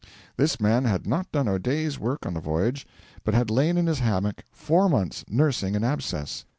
This man had not done a day's work on the voyage, but had lain in his hammock four months nursing an abscess.